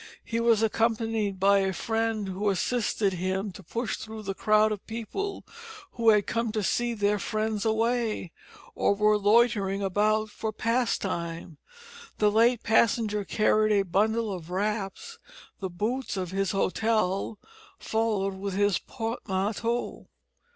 He was accompanied by a friend, who assisted him to push through the crowd of people who had come to see their friends away, or were loitering about for pastime. The late passenger carried a bundle of wraps; the boots of his hotel followed with his portmanteau.